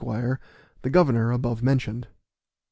the governor above mentioned.